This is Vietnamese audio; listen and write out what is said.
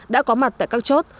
đã có mặt tại các chốt